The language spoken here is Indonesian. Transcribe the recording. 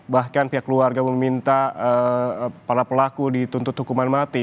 bahkan pihak keluarga meminta para pelaku dituntut hukuman mati